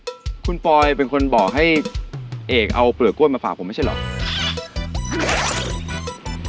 คุณปอยเป็นคนบอกให้เอกเอาเปลือกกล้วยมาฝากผมไม่ใช่เหรอ